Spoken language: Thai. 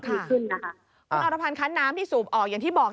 คุณออรพันธ์คันต์น้ำที่สูบออกอย่างที่บอก